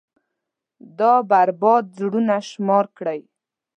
دا بـربـاد زړونه شمار كړئ.